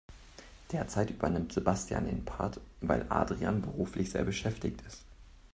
Derzeit übernimmt Sebastian den Part, weil Adrian beruflich sehr beschäftigt ist.